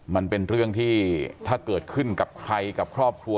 มันเป็นเรื่องที่ถ้าเกิดขึ้นกับใครกับครอบครัว